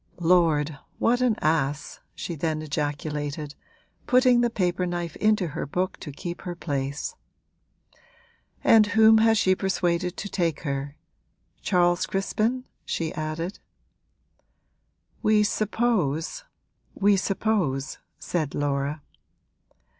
'Lord, what an ass!' she then ejaculated, putting the paper knife into her book to keep her place. 'And whom has she persuaded to take her Charles Crispin?' she added. 'We suppose we suppose ' said Laura.